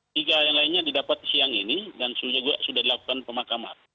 tiga yang lainnya didapat siang ini dan juga sudah dilakukan pemakaman